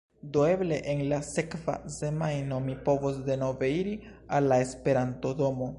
Do eble en la sekva semajno mi povos denove iri al la esperantodomo